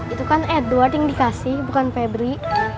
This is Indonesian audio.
itu kan edward yang dikasih bukan febri